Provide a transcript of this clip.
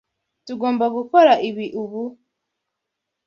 Tugomba gukora ibi ubu?